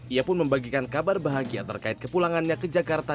ia pun membagikan kabar bahagia terkait kepulangannya ke jakarta